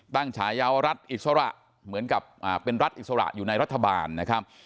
ฉายาวรัฐอิสระเหมือนกับเป็นรัฐอิสระอยู่ในรัฐบาลนะครับ